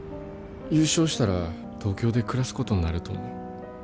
優勝したら東京で暮らすことになると思う。